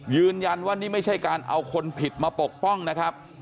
ยืนยันว่านี่ไม่ใช่การเอาคนผิดมาปกป้องนะครับ